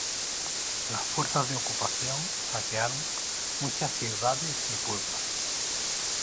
Las fuerzas de ocupación saquearon muchas ciudades y pueblos.